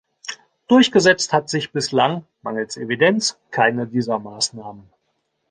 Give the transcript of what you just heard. Durchgesetzt hat sich bislang, mangels Evidenz, keine dieser Maßnahmen.